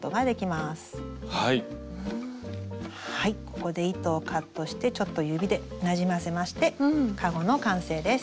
ここで糸をカットしてちょっと指でなじませましてかごの完成です。